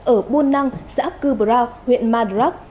ở buôn năng xã cư brau huyện madrak